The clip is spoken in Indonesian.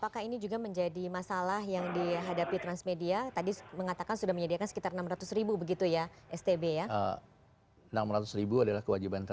kami siap mendukung sudah dari dulu